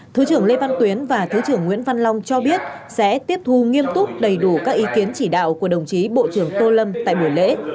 thứ trưởng lê văn tuyến và thứ trưởng nguyễn văn long cho biết sẽ tiếp thu nghiêm túc đầy đủ các ý kiến chỉ đạo của đồng chí bộ trưởng tô lâm tại buổi lễ